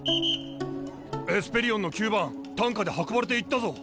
エスペリオンの９番担架で運ばれていったぞ。